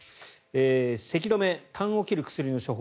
せき止め、たんを切る薬の処方